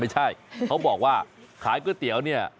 เขาบอกว่าขายก๋วยเตี๋ยวเนี่ย